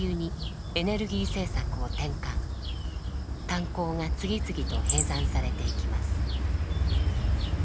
炭鉱が次々と閉山されていきます。